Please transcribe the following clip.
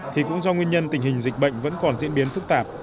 thì cũng do nguyên nhân tình hình dịch bệnh vẫn còn diễn biến phức tạp